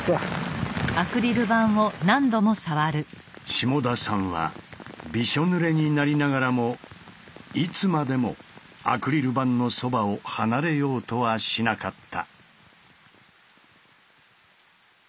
下田さんはびしょぬれになりながらもいつまでもアクリル板のそばを離れようとはしなかった。